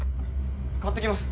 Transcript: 買って来ます。